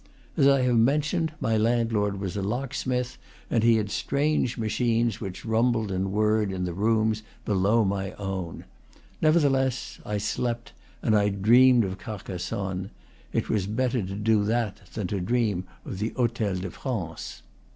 As I have mentioned, my land lord was a locksmith, and he had strange machines which rumbled and whirred in the rooms below my own. Nevertheless, I slept, and I dreamed of Car cassonne. It was better to do that than to dream of the Hotel de France.